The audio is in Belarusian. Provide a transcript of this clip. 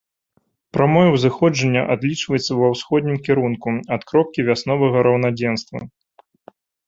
Прамое ўзыходжанне адлічваецца ва ўсходнім кірунку ад кропкі вясновага раўнадзенства.